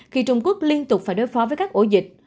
khi trung quốc liên tục phải đối phó với các ổ dịch